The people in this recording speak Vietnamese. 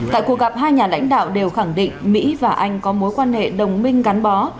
tại cuộc gặp hai nhà lãnh đạo đều khẳng định mỹ và anh có mối quan hệ đồng minh gắn bó